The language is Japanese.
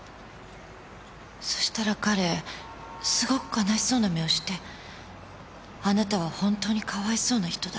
そしたら彼すごく悲しそうな目をしてあなたは本当にかわいそうな人だ。